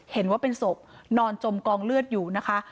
เห็นว่าเป็นศพนอนจมกองเลือดอยู่นะคะ